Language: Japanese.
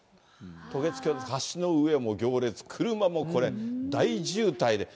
渡月橋、橋の上、もう行列、車もこれ、大渋滞で。